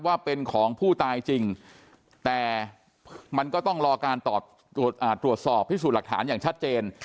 ว่าเป็นของผู้ตายจริงแต่มันก็ต้องรอการตรวจสอบพิสูจน์หลักฐานอย่างชัดเจน